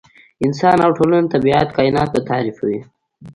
انسان او ټولنه، طبیعت، کاینات به تعریفوي.